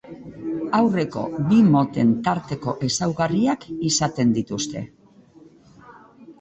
Aurreko bi moten tarteko ezaugarriak izaten dituzte.